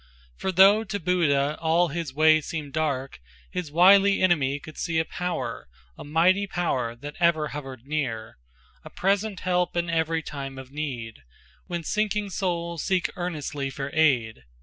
For though to Buddha all his way seemed dark, His wily enemy could see a Power, A mighty Power, that ever hovered near, A present help in every time of need, When sinking souls seek earnestly for aid.